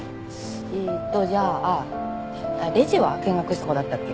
えーっとじゃあレジは見学したことあったっけ？